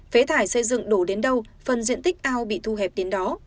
phế thải xây dựng đổ đến đâu phần diện tích ao bị thu hẹp đến đó